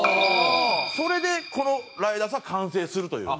それでこのライダースは完成するという。